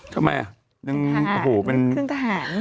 ทำไมอ่ะคืนทหาร